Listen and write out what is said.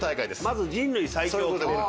まず人類最強を決める。